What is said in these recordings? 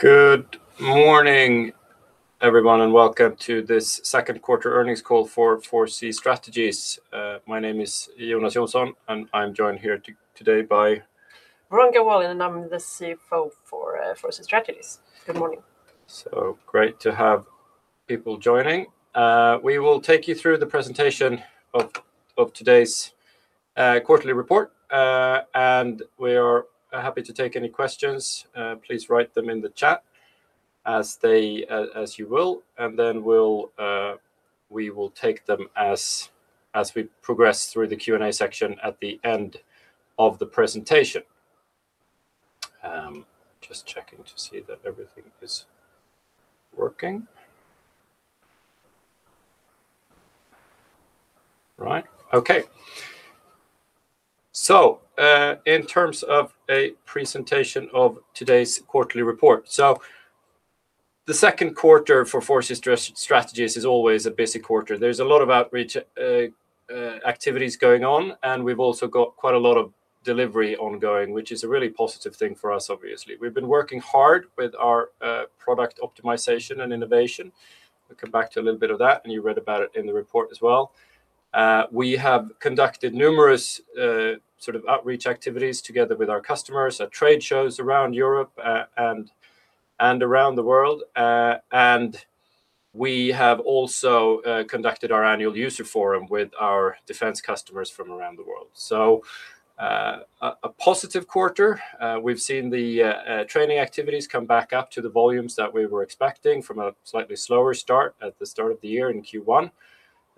Good morning, everyone, and welcome to this Second Quarter Earnings Call for 4C Strategies. My name is Jonas Jonsson. I am joined here today by. Veronica Wallin. I am the CFO for 4C Strategies. Good morning. Great to have people joining. We will take you through the presentation of today's quarterly report. We are happy to take any questions. Please write them in the chat as you will, and then we will take them as we progress through the Q&A section at the end of the presentation. Just checking to see that everything is working. Right. Okay. In terms of a presentation of today's quarterly report. The second quarter for 4C Strategies is always a busy quarter. There is a lot of outreach activities going on, and we have also got quite a lot of delivery ongoing, which is a really positive thing for us, obviously. We have been working hard with our product optimization and innovation. We will come back to a little bit of that, and you read about it in the report as well. We have conducted numerous sort of outreach activities together with our customers at trade shows around Europe and around the world. We have also conducted our annual user forum with our Defence customers from around the world. A positive quarter. We have seen the training activities come back up to the volumes that we were expecting from a slightly slower start at the start of the year in Q1.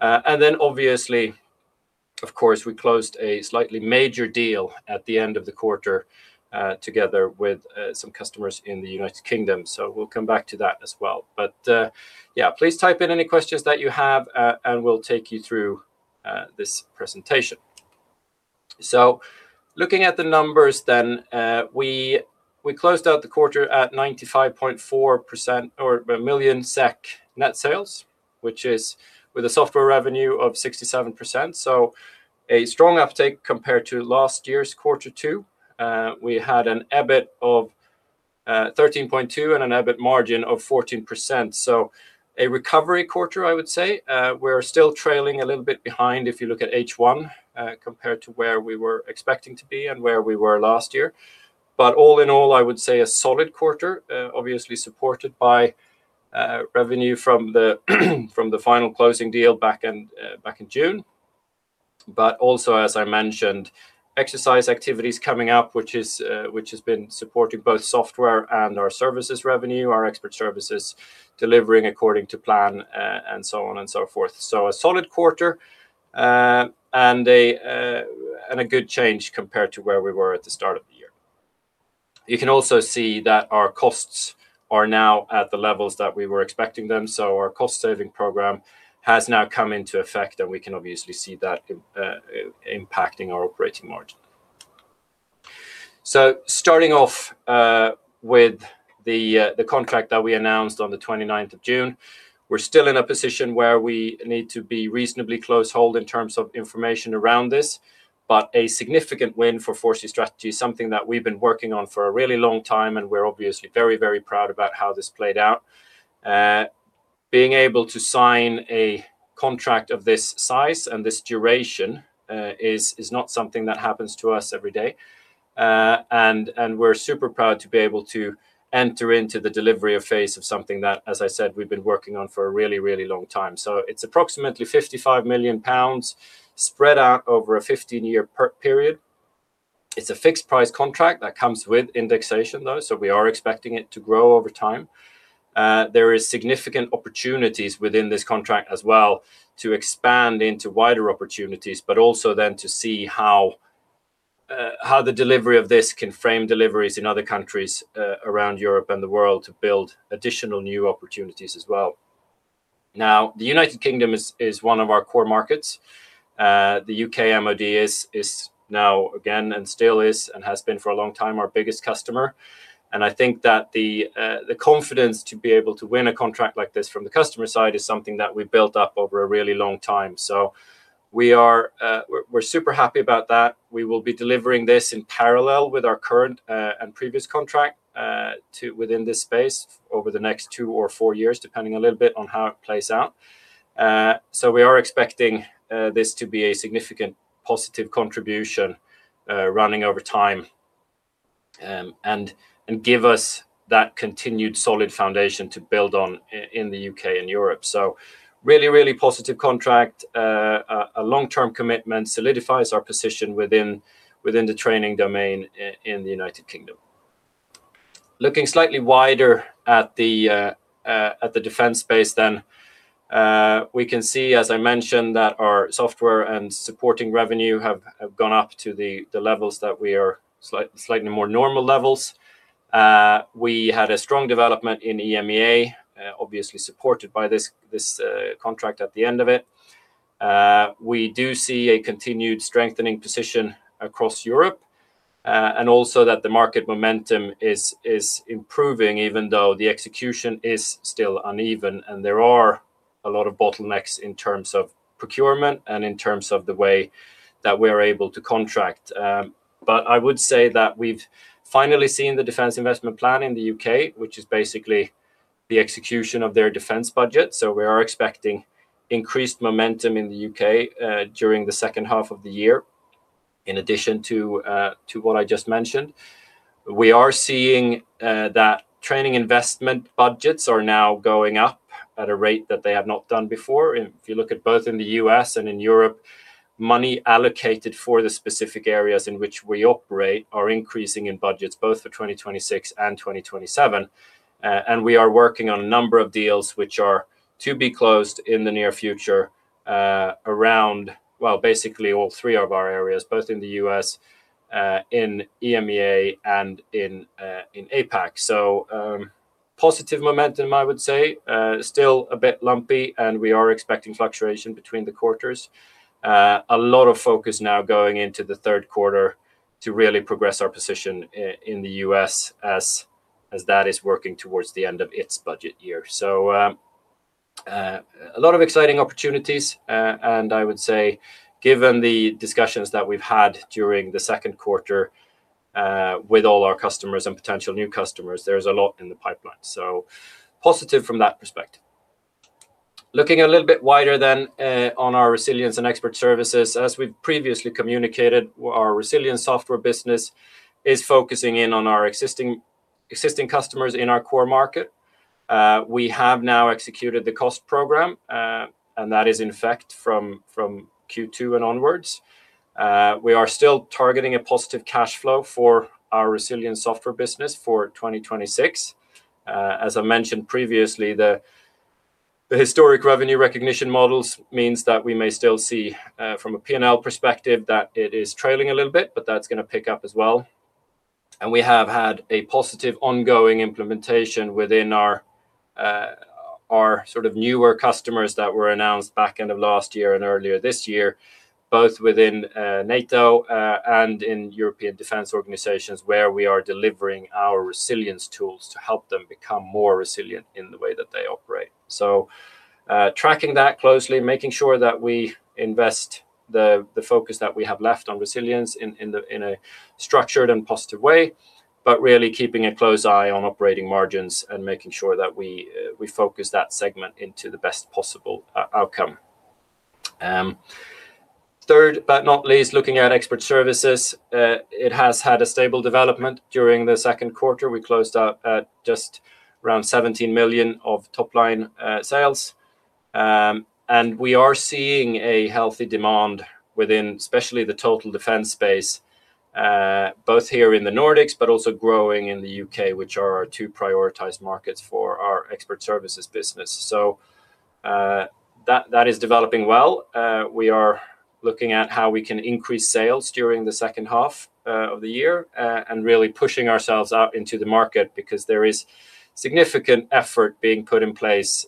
Obviously, of course, we closed a slightly major deal at the end of the quarter, together with some customers in the United Kingdom. We will come back to that as well. Yeah, please type in any questions that you have, and we will take you through this presentation. Looking at the numbers then, we closed out the quarter at 95.4 million SEK net sales, which is with a software revenue of 67%. A strong uptake compared to last year's Q2. We had an EBIT of 13.2 million and an EBIT margin of 14%. A recovery quarter, I would say. We're still trailing a little bit behind if you look at H1, compared to where we were expecting to be and where we were last year. All in all, I would say a solid quarter, obviously supported by revenue from the final closing deal back in June. Also, as I mentioned, exercise activities coming up, which has been supporting both software and our services revenue, our Expert Services delivering according to plan, and so on and so forth. A solid quarter, and a good change compared to where we were at the start of the year. You can also see that our costs are now at the levels that we were expecting them. Our cost-saving program has now come into effect, and we can obviously see that impacting our operating margin. Starting off with the contract that we announced on the 29th of June. We're still in a position where we need to be reasonably close-hold in terms of information around this, a significant win for 4C Strategies, something that we've been working on for a really long time, and we're obviously very proud about how this played out. Being able to sign a contract of this size and this duration is not something that happens to us every day. We're super proud to be able to enter into the delivery phase of something that, as I said, we've been working on for a really long time. It's approximately 55 million pounds spread out over a 15-year period. It's a fixed price contract that comes with indexation, though, we are expecting it to grow over time. There is significant opportunities within this contract as well to expand into wider opportunities, also then to see how the delivery of this can frame deliveries in other countries around Europe and the world to build additional new opportunities as well. The United Kingdom is one of our core markets. The U.K. MoD is now again and still is, and has been for a long time, our biggest customer. I think that the confidence to be able to win a contract like this from the customer side is something that we've built up over a really long time. We're super happy about that. We will be delivering this in parallel with our current and previous contract within this space over the next two or four years, depending a little bit on how it plays out. We are expecting this to be a significant positive contribution running over time, and give us that continued solid foundation to build on in the U.K. and Europe. Really positive contract. A long-term commitment solidifies our position within the training domain in the United Kingdom. Looking slightly wider at the Defence space, we can see, as I mentioned, that our software and supporting revenue have gone up to slightly more normal levels. We had a strong development in EMEA, obviously supported by this contract at the end of it. We do see a continued strengthening position across Europe, also that the market momentum is improving even though the execution is still uneven and there are a lot of bottlenecks in terms of procurement and in terms of the way that we're able to contract. I would say that we've finally seen the Defence investment plan in the U.K., which is basically the execution of their Defence budget. We are expecting increased momentum in the U.K. during the second half of the year, in addition to what I just mentioned. We are seeing that training investment budgets are now going up at a rate that they have not done before. If you look at both in the U.S. and in Europe, money allocated for the specific areas in which we operate are increasing in budgets both for 2026 and 2027. We are working on a number of deals which are to be closed in the near future, around basically all three of our areas, both in the U.S., in EMEA and in APAC. Positive momentum, I would say. Still a bit lumpy, we are expecting fluctuation between the quarters. A lot of focus now going into the third quarter to really progress our position in the U.S. as that is working towards the end of its budget year. A lot of exciting opportunities. I would say, given the discussions that we've had during the second quarter with all our customers and potential new customers, there is a lot in the pipeline. Positive from that perspective. Looking a little bit wider on our Resilience and Expert Services, as we've previously communicated, our Resilience software business is focusing in on our existing customers in our core market. We have now executed the cost program, that is in effect from Q2 and onwards. We are still targeting a positive cash flow for our Resilience software business for 2026. As I mentioned previously, the historic revenue recognition models means that we may still see, from a P&L perspective, that it is trailing a little bit, that's going to pick up as well. We have had a positive ongoing implementation within our newer customers that were announced back end of last year and earlier this year, both within NATO and in European defense organizations, where we are delivering our Resilience tools to help them become more resilient in the way that they operate. Tracking that closely, making sure that we invest the focus that we have left on Resilience in a structured and positive way, really keeping a close eye on operating margins and making sure that we focus that segment into the best possible outcome. Third but not least, looking at Expert Services. It has had a stable development during the second quarter. We closed out at just around 17 million of top-line sales. We are seeing a healthy demand within especially the total Defence space, both here in the Nordics, also growing in the U.K., which are our two prioritized markets for our Expert Services business. That is developing well. We are looking at how we can increase sales during the second half of the year, really pushing ourselves out into the market because there is significant effort being put in place.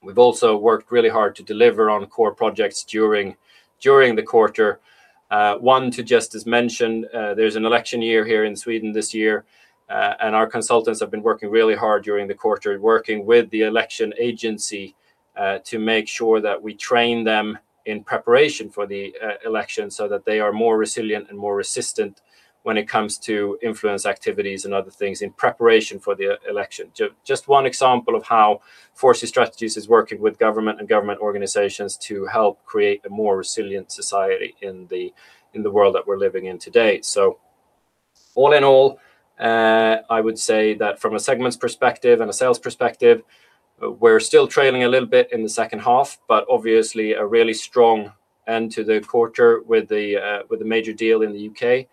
We've also worked really hard to deliver on core projects during the quarter. One to just as mention, there's an election year here in Sweden this year. Our consultants have been working really hard during the quarter, working with the election agency, to make sure that we train them in preparation for the election, so that they are more resilient and more resistant when it comes to influence activities and other things in preparation for the election. Just one example of how 4C Strategies is working with government and government organizations to help create a more resilient society in the world that we're living in today. All in all, I would say that from a segments perspective and a sales perspective, we're still trailing a little bit in the second half, but obviously a really strong end to the quarter with the major deal in the U.K.,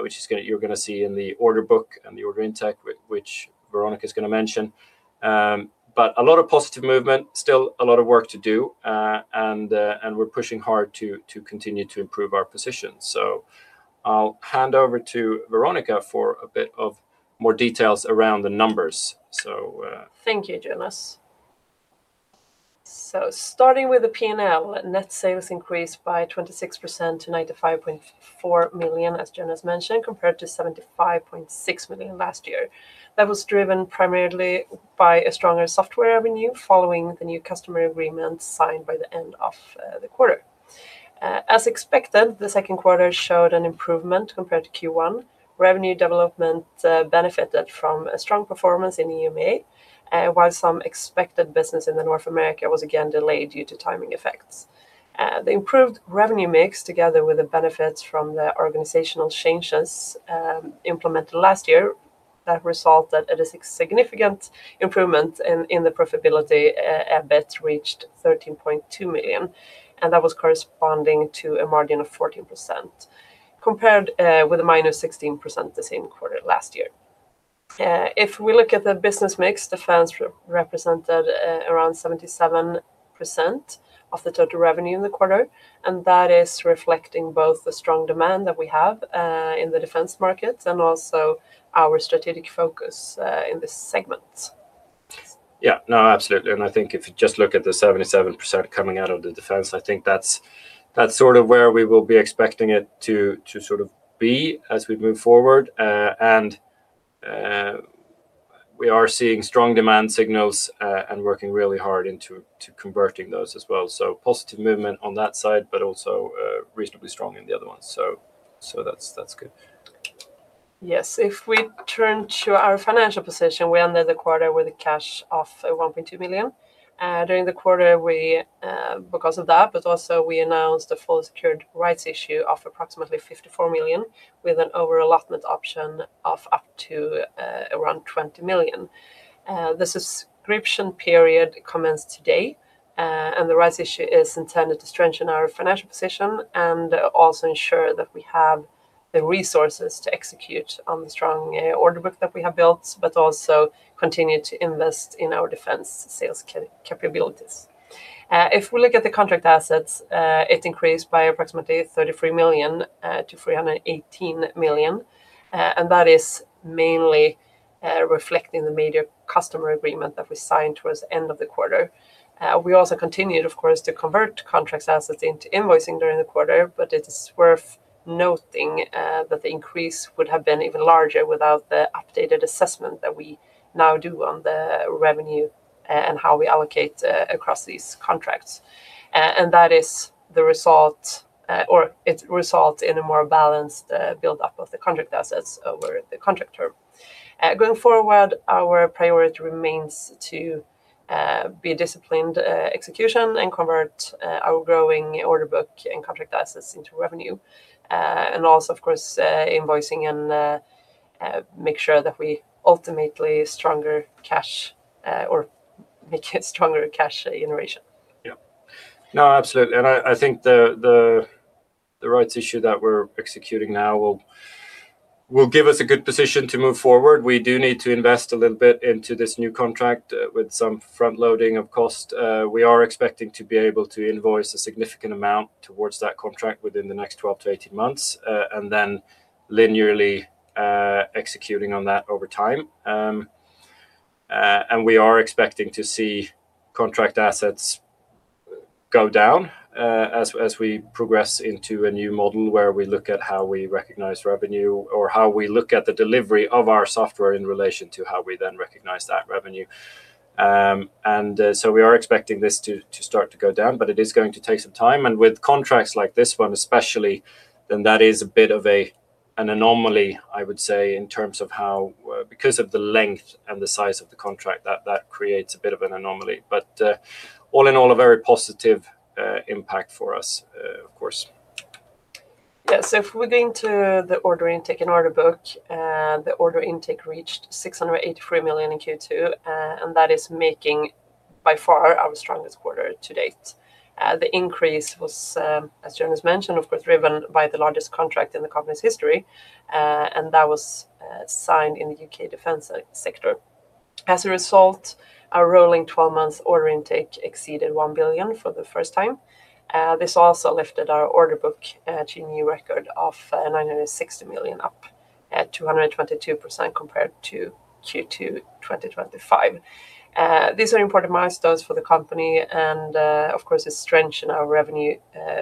which you're going to see in the order book and the order intake, which Veronica is going to mention. A lot of positive movement, still a lot of work to do, and we're pushing hard to continue to improve our position. I'll hand over to Veronica for a bit of more details around the numbers. Thank you, Jonas. Starting with the P&L, net sales increased by 26% to 95.4 million, as Jonas mentioned, compared to 75.6 million last year. That was driven primarily by a stronger software revenue following the new customer agreement signed by the end of the quarter. As expected, the second quarter showed an improvement compared to Q1. Revenue development benefited from a strong performance in EMEA, while some expected business in North America was again delayed due to timing effects. The improved revenue mix, together with the benefits from the organizational changes implemented last year, that resulted in a significant improvement in the profitability. EBIT reached 13.2 million, and that was corresponding to a margin of 14%, compared with a -16% the same quarter last year. If we look at the business mix, Defence represented around 77% of the total revenue in the quarter, and that is reflecting both the strong demand that we have in the Defence market and also our strategic focus in this segment. Yeah. No, absolutely. I think if you just look at the 77% coming out of the Defence, I think that's sort of where we will be expecting it to sort of be as we move forward. We are seeing strong demand signals and working really hard into converting those as well. Positive movement on that side, but also reasonably strong in the other ones. That's good. Yes. If we turn to our financial position, we ended the quarter with a cash of 1.2 million. During the quarter, because of that, but also we announced a fully secured rights issue of approximately 54 million, with an overallotment option of up to around 20 million. The subscription period commenced today, the rights issue is intended to strengthen our financial position and also ensure that we have the resources to execute on the strong order book that we have built, but also continue to invest in our Defence sales capabilities. If we look at the contract assets, it increased by approximately 33 million to 318 million. That is mainly reflecting the major customer agreement that we signed towards the end of the quarter. We also continued, of course, to convert contracts assets into invoicing during the quarter, but it is worth noting that the increase would have been even larger without the updated assessment that we now do on the revenue and how we allocate across these contracts. It results in a more balanced buildup of the contract assets over the contract term. Going forward, our priority remains to be a disciplined execution and convert our growing order book and contract assets into revenue. Also of course, invoicing and make sure that we ultimately stronger cash, or make it stronger cash generation. Yeah. No, absolutely. I think the rights issue that we're executing now will give us a good position to move forward. We do need to invest a little bit into this new contract with some front loading of cost. We are expecting to be able to invoice a significant amount towards that contract within the next 12-18 months. Then linearly executing on that over time. We are expecting to see contract assets go down as we progress into a new model where we look at how we recognize revenue or how we look at the delivery of our software in relation to how we then recognize that revenue. We are expecting this to start to go down, but it is going to take some time, and with contracts like this one especially, then that is a bit of an anomaly, I would say, in terms of how, because of the length and the size of the contract, that creates a bit of an anomaly. All in all, a very positive impact for us, of course. If we go into the order intake and order book, the order intake reached 683 million in Q2, and that is making by far our strongest quarter to date. The increase was, as Jonas mentioned, of course, driven by the largest contract in the company's history, and that was signed in the U.K. Defence sector. As a result, our rolling 12 months order intake exceeded 1 billion for the first time. This also lifted our order book to a new record of 960 million up at 222% compared to Q2 2025. These are important milestones for the company and, of course, it strengthen our revenue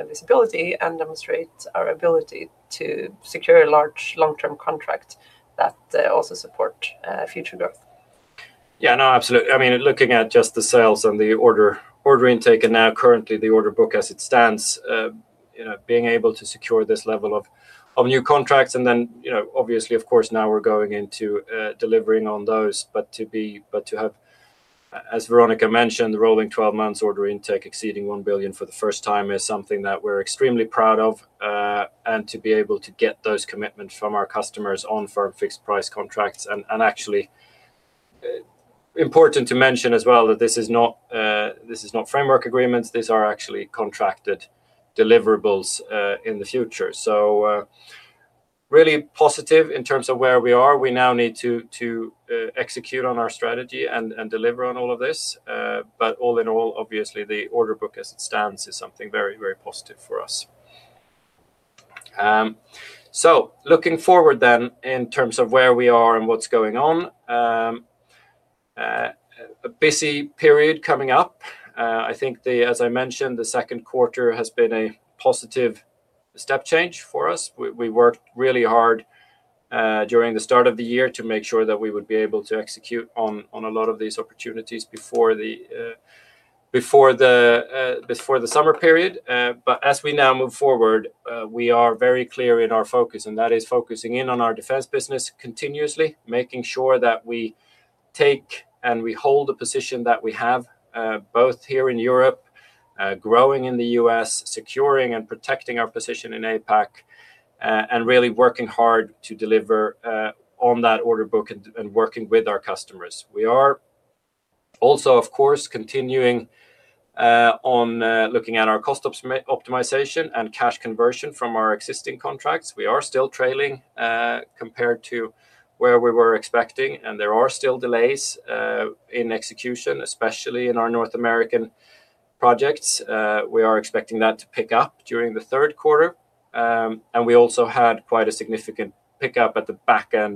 visibility and demonstrates our ability to secure a large long-term contract that also support future growth. Looking at just the sales and the order intake, and now currently the order book as it stands, being able to secure this level of new contracts and then, obviously, of course now we're going into delivering on those, but to have, as Veronica mentioned, the rolling 12 months order intake exceeding 1 billion for the first time is something that we're extremely proud of. To be able to get those commitments from our customers on firm fixed price contracts and actually important to mention as well that this is not framework agreements. These are actually contracted deliverables in the future. Really positive in terms of where we are. We now need to execute on our strategy and deliver on all of this. All in all, obviously the order book as it stands is something very, very positive for us. Looking forward then, in terms of where we are and what's going on, a busy period coming up. I think as I mentioned, the second quarter has been a positive step change for us. We worked really hard during the start of the year to make sure that we would be able to execute on a lot of these opportunities before the summer period. As we now move forward, we are very clear in our focus, and that is focusing in on our Defence business continuously, making sure that we take and we hold the position that we have, both here in Europe, growing in the U.S., securing and protecting our position in APAC, and really working hard to deliver on that order book and working with our customers. We are also, of course, continuing on looking at our cost optimization and cash conversion from our existing contracts. We are still trailing, compared to where we were expecting, and there are still delays in execution, especially in our North American projects. We are expecting that to pick up during the third quarter. We also had quite a significant pickup at the back end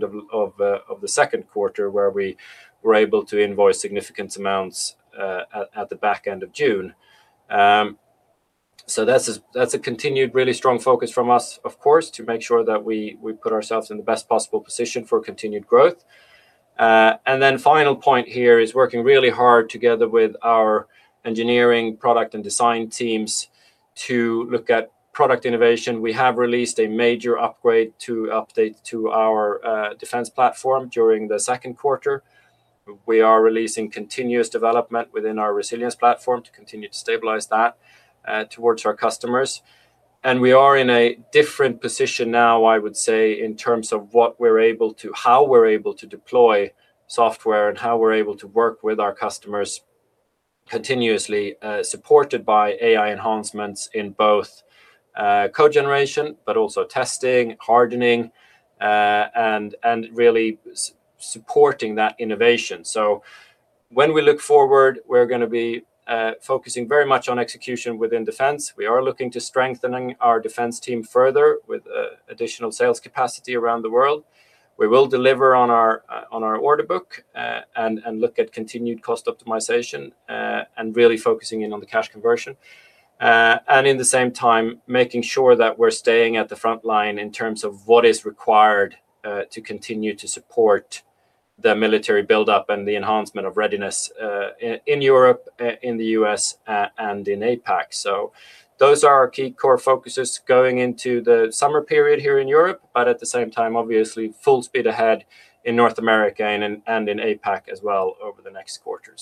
of the second quarter where we were able to invoice significant amounts at the back end of June. That's a continued really strong focus from us, of course, to make sure that we put ourselves in the best possible position for continued growth. Final point here is working really hard together with our engineering, product, and design teams to look at product innovation. We have released a major upgrade to update to our Defence Platform during the second quarter. We are releasing continuous development within our Resilience Platform to continue to stabilize that towards our customers. We are in a different position now, I would say, in terms of how we're able to deploy software and how we're able to work with our customers continuously, supported by AI enhancements in both code generation, but also testing, hardening, and really supporting that innovation. When we look forward, we're going to be focusing very much on execution within Defence. We are looking to strengthening our Defence team further with additional sales capacity around the world. We will deliver on our order book, look at continued cost optimization, and really focusing in on the cash conversion. In the same time, making sure that we're staying at the frontline in terms of what is required to continue to support the military buildup and the enhancement of readiness in Europe, in the U.S., and in APAC. Those are our key core focuses going into the summer period here in Europe, but at the same time, obviously, full speed ahead in North America and in APAC as well over the next quarter.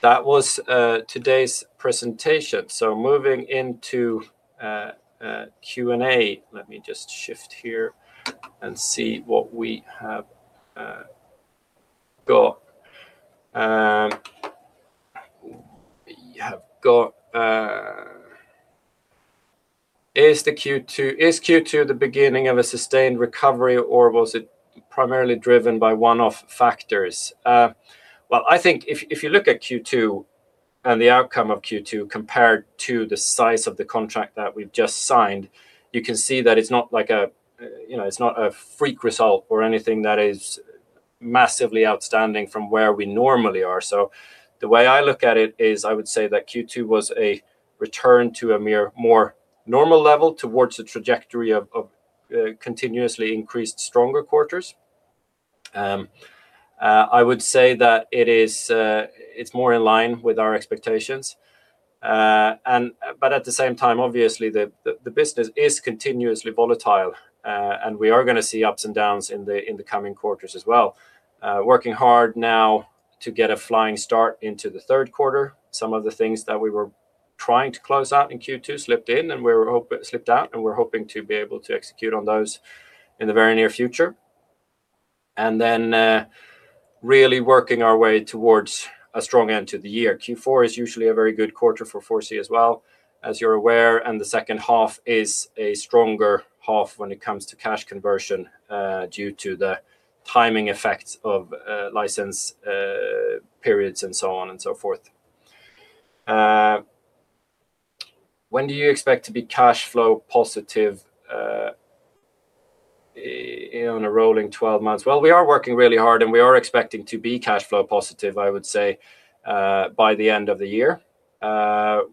That was today's presentation. Moving into Q&A. Let me just shift here and see what we have got. We have got, is Q2 the beginning of a sustained recovery, or was it primarily driven by one-off factors? Well, I think if you look at Q2 and the outcome of Q2 compared to the size of the contract that we've just signed, you can see that it's not a freak result or anything that is massively outstanding from where we normally are. The way I look at it is, I would say that Q2 was a return to a more normal level towards the trajectory of continuously increased stronger quarters. I would say that it's more in line with our expectations. At the same time, obviously, the business is continuously volatile. We are going to see ups and downs in the coming quarters as well. Working hard now to get a flying start into the third quarter. Some of the things that we were trying to close out in Q2 slipped out, and we're hoping to be able to execute on those in the very near future. Really working our way towards a strong end to the year. Q4 is usually a very good quarter for 4C as well, as you're aware, and the second half is a stronger half when it comes to cash conversion due to the timing effects of license periods and so on and so forth. When do you expect to be cash flow positive in a rolling 12 months? Well, we are working really hard, and we are expecting to be cash flow positive, I would say, by the end of the year.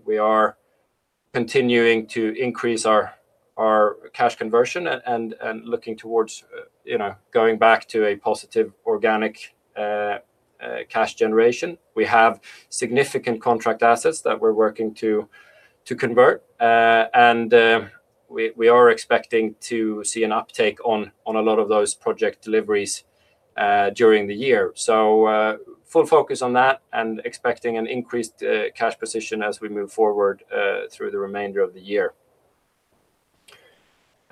We are continuing to increase our cash conversion and looking towards going back to a positive organic cash generation. We have significant contract assets that we're working to convert. We are expecting to see an uptake on a lot of those project deliveries during the year. Full focus on that and expecting an increased cash position as we move forward through the remainder of the year.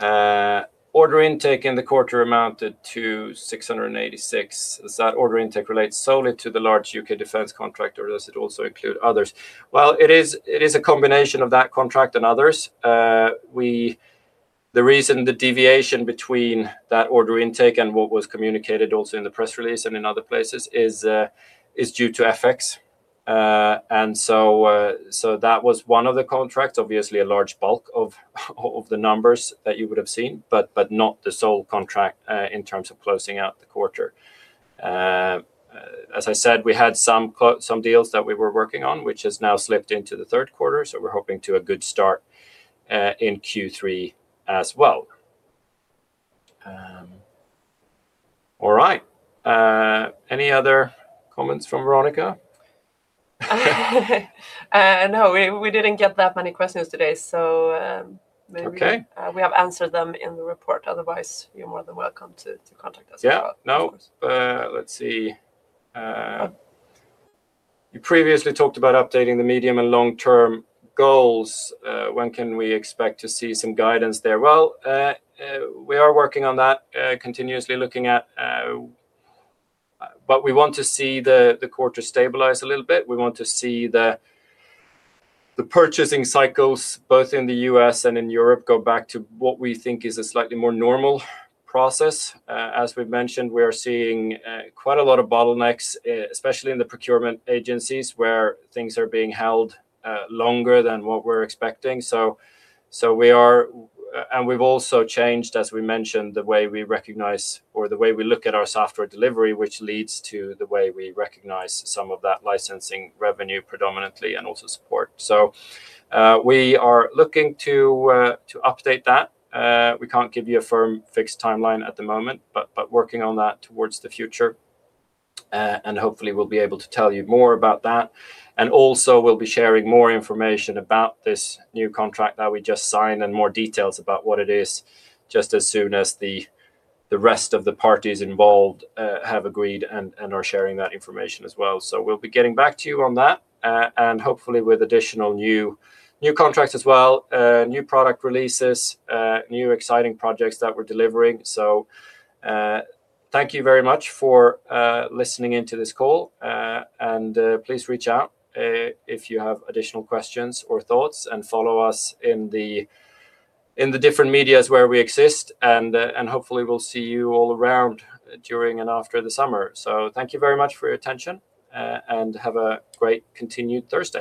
Order intake in the quarter amounted to 686 million. Does that order intake relate solely to the large U.K. Defence contract, or does it also include others? Well, it is a combination of that contract and others. The reason the deviation between that order intake and what was communicated also in the press release and in other places is due to FX. That was one of the contracts, obviously, a large bulk of the numbers that you would've seen, but not the sole contract, in terms of closing out the quarter. As I said, we had some deals that we were working on, which has now slipped into the third quarter, so we're hoping to a good start in Q3 as well. All right. Any other comments from Veronica? No, we didn't get that many questions today. Okay. Maybe we have answered them in the report. Otherwise, you're more than welcome to contact us. Yeah. No. Let's see. You previously talked about updating the medium and long-term goals. When can we expect to see some guidance there? Well, we are working on that. We want to see the quarter stabilize a little bit. We want to see the purchasing cycles, both in the U.S. and in Europe, go back to what we think is a slightly more normal process. As we've mentioned, we are seeing quite a lot of bottlenecks, especially in the procurement agencies, where things are being held longer than what we're expecting. We've also changed, as we mentioned, the way we recognize or the way we look at our software delivery, which leads to the way we recognize some of that licensing revenue predominantly and also support. We are looking to update that. We can't give you a firm fixed timeline at the moment, but working on that towards the future, and hopefully, we'll be able to tell you more about that. Also, we'll be sharing more information about this new contract that we just signed and more details about what it is, just as soon as the rest of the parties involved have agreed and are sharing that information as well. We'll be getting back to you on that, and hopefully with additional new contracts as well, new product releases, new exciting projects that we're delivering. Thank you very much for listening into this call. Please reach out if you have additional questions or thoughts, and follow us in the different medias where we exist. Hopefully, we'll see you all around during and after the summer. Thank you very much for your attention, and have a great continued Thursday.